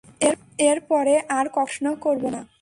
এর পরে, আর কখনো প্রশ্ন করব না।